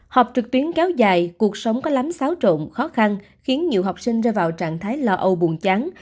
học trực tuyến kéo dài cuộc sống có lắm xáo trộn khó khăn khiến nhiều học sinh ra vào trạng thái lo âu buồn chán